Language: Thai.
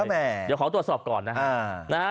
เดี๋ยวขอตรวจสอบก่อนนะฮะ